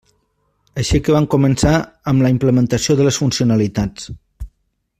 Així que vam començar amb la implementació de les funcionalitats.